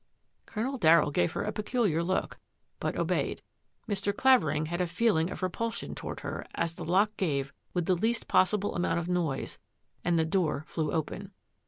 Colonel Darryll gave her a peculiar look, but obeyed. Mr. Clavering had a feeling of repul sion toward her as the lock gave with the least possible amount of noise and the door flew open.